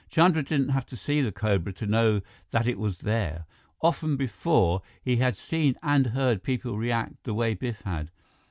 Chandra didn't have to see the cobra to know that it was there. Often before, he had seen and heard people react the way Biff had.